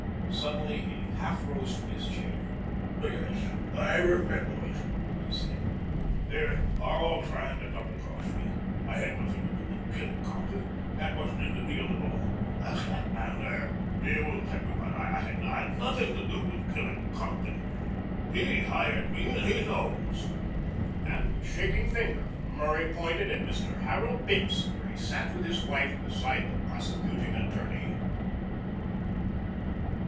Suddenly he half rose from his chair. "Yes I remember it," he said. "They are all trying to double cross me. I had nothing to do with killing Compton. That wasn't in the deal at all. Ask that man there; he will tell you that I had nothing to do with killing Compton. He hired me and he knows," and with shaking finger Murray pointed at Mr. Harold Bince where he sat with his wife beside the prosecuting attorney.